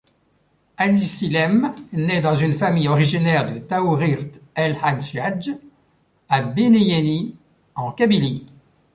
Ali Silem naît dans une famille originaire de Taourirt-El-Hadjadj, à Beni Yenni en Kabylie.